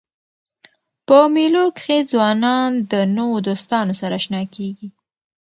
په مېلو کښي ځوانان د نوو دوستانو سره اشنا کېږي.